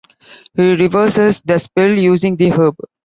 He reverses the spell using the herb.